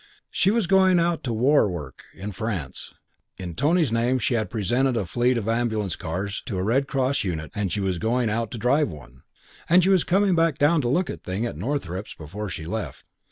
She was going out to war work in France in Tony's name she had presented a fleet of ambulance cars to a Red Cross unit and she was going out to drive one and she was coming down to look at things at Northrepps before she left.